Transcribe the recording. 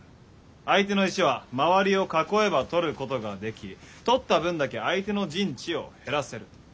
相手の石は周りを囲えば取ることができ取った分だけ相手の陣地を減らせる。